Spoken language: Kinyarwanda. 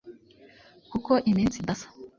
kuko iminsi idasa